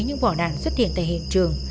những vỏ đạn xuất hiện tại hiện trường